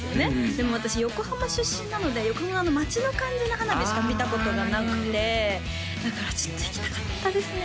でも私横浜出身なので横浜の街の感じな花火しか見たことがなくてだからちょっと行きたかったですね